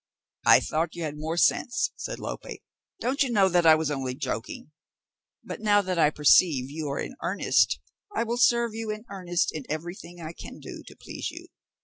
"I thought you had more sense," said Lope. "Don't you know that I was only joking? But now that I perceive you are in earnest, I will serve you in earnest in everything I can do to please you.